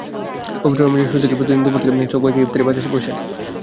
পবিত্র রমজানের শুরু থেকেই প্রতিদিন দুপুর থেকে চকবাজারে ইফতারির বাজার বসে।